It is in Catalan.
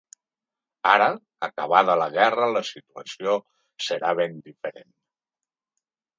Ara, acabada la guerra la situació serà ben diferent.